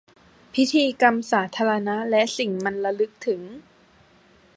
พิธีกรรมสาธารณะและสิ่งมันระลึกถึง